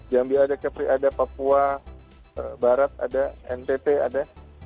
jambi ada kepri ada papua barat ada ntt ada